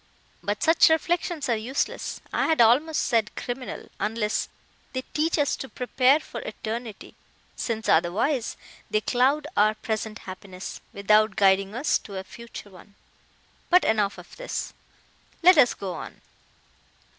But such reflections are useless, I had almost said criminal, unless they teach us to prepare for eternity, since, otherwise, they cloud our present happiness, without guiding us to a future one. But enough of this; let us go on."